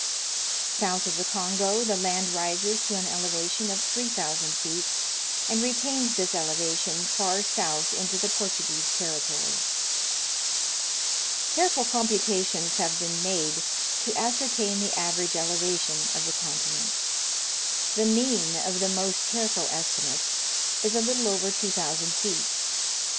South of the Kongo the land rises to an elevation of 3 000 feet, and retains this elevation far south into the Portu guese territory. Africa, its Past and Future. 103 Careful computations have been made to ascertain the average elevation of the continent. The mean of the most careful esti mates is a little over 2,000 feet.